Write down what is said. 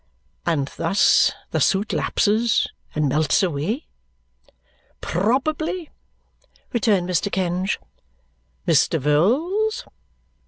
"And that thus the suit lapses and melts away?" "Probably," returned Mr. Kenge. "Mr. Vholes?"